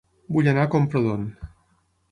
Vull anar a Camprodon